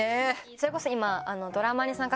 それこそ今。